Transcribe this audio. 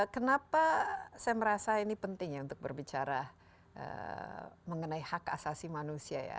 kenapa saya merasa ini penting ya untuk berbicara mengenai hak asasi manusia ya